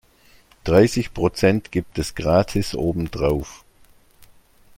Dreißig Prozent gibt es gratis obendrauf.